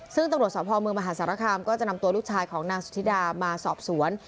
ซึ่งตำรวจสพเมืองมหาสารคามก็จะนำตัวลูกชายของนางสุธิดามาสอบสวน